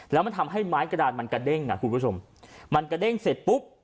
แล้วมันทำให้ไม้กระดานมันกระเด้งอ่ะคุณผู้ชมมันกระเด้งเสร็จปุ๊บ